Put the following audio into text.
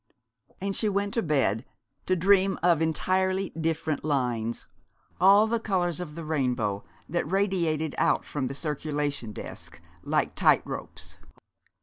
And she went to bed to dream of Entirely Different Lines all the colors of the rainbow, that radiated out from the Circulation Desk like tight ropes.